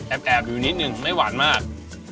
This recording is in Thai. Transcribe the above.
แอบอยู่นิดนึงไม่หวานมาก